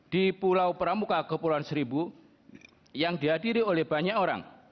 di pulau pramuka kepulauan seribu yang dihadiri oleh banyak orang